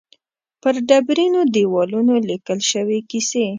پر ډبرینو دېوالونو لیکل شوې کیسې.